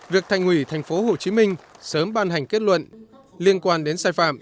việc thành ủy thành phố hồ chí minh sớm ban hành kết luận liên quan đến sai phạm